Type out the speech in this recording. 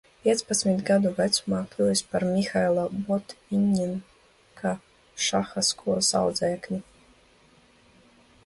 Piecpadsmit gadu vecumā kļuvis par Mihaila Botviņņika šaha skolas audzēkni.